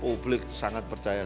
publik sangat percaya kpu